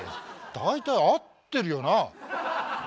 大体合ってるよなあ？